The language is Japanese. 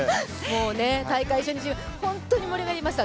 大会初日、本当に盛り上がりました。